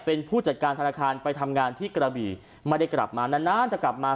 เป็นผู้จัดการธนาคารไปทำงานที่กระบี่ไม่ได้กลับมานานนานจะกลับมา